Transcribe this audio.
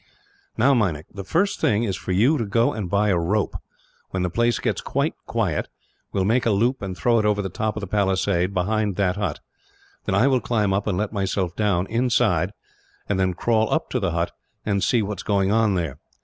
"Now, Meinik, the first thing is for you to go and buy a rope. When the place gets quite quiet, we will make a loop and throw it over the top of the palisade, behind that hut; then I will climb up and let myself down, inside, and then crawl up to the hut and see what is going on there.